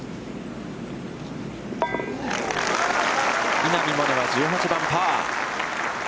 稲見萌寧は１８番、パー。